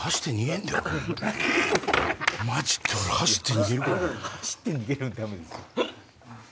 えっ。